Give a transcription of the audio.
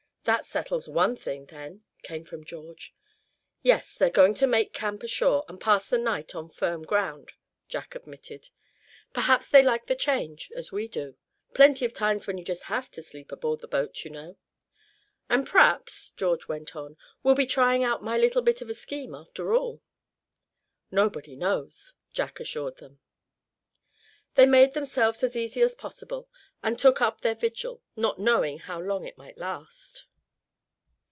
"That settles one thing, then," came from George. "Yes, they're going to make camp ashore, and pass the night on firm ground," Jack admitted. "Perhaps they like the change, as we do. Plenty of times when you just have to sleep aboard the boat, you know." "And p'raps," George went on, "we'll be trying out my little bit of a scheme, after all." "Nobody knows," Jack assured them. They made themselves as easy as possible, and took up their vigil, not knowing how long it might last.